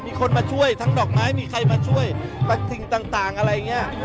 มีคนมาช่วยทั้งดอกไม้มีใครมาช่วยสิ่งต่างอะไรอย่างนี้